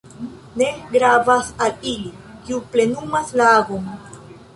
Ne gravas al ili, kiu plenumas la agon.